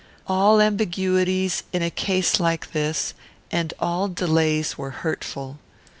All ambiguities, in a case like this, and all delays, were hurtful.